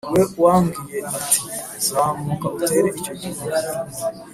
we wambwiye ati zamuka utere icyo gihugu